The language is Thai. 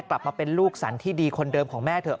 กลับมาเป็นลูกสรรที่ดีคนเดิมของแม่เถอ